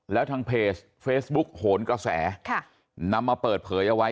แล้วทางเฟซบุ๊กโหนเขาแสค่ะนำมาเปิดเผยไว้